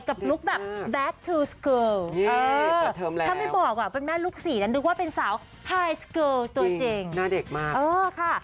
กับลูกแบบแบตทูสเกิลเออกระเทิมแล้วถ้าไม่บอกอ่ะเป็นแม่ลูกสี่นั้นดูกว่าเป็นสาวไฮสเกิลตัวจริงหน้าเด็กมากเออค่ะ